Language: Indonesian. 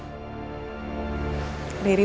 oh menolong aku freshman